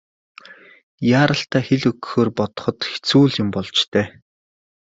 Яаралтай хэл өгөхөөр бодоход хэцүү л юм болж дээ.